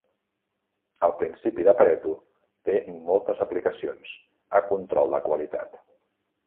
El principi de Pareto té moltes aplicacions a control de qualitat.